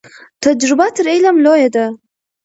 تجربه تر علم لویه ده.